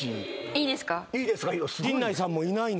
いいですか？